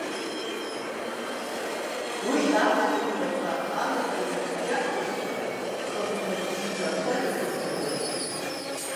Уи аԥсуа иԥаҵа анаӡара икны иахозшәа, хынтәҟагьы иҿы ацәа ҩахыԥа-ҩахыԥеит.